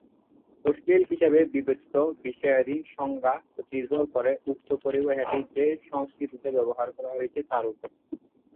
অশ্লীল হিসেবে বিবেচিত বিষয়াদির সংজ্ঞা নির্ভর করে উক্ত পরিভাষাটি যে সংস্কৃতিতে ব্যবহৃত হচ্ছে তার উপর।